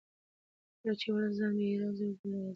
کله چې ولس ځان بې اغېزې وبولي نا رضایتي پراخېږي